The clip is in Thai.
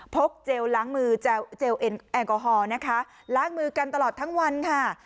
เจลล้างมือเจลแอลกอฮอล์นะคะล้างมือกันตลอดทั้งวันค่ะ